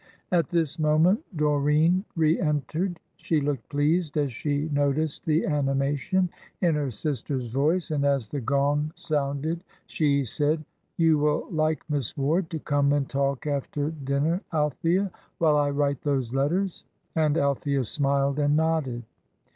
At this moment Doreen re entered. She looked pleased as she noticed the animation in her sister's voice, and as the gong sounded, she said, "You will like Miss Ward to come and talk after dinner, Althea, while I write those letters." And Althea smiled and nodded.